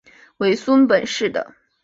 为松本市的。